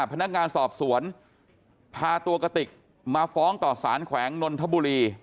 พนักงานสอบสวนพาตัวกระติกมาฟ้องต่อสารแขวงนนทบุรี